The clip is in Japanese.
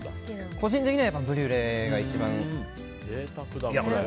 個人的にはブリュレが一番。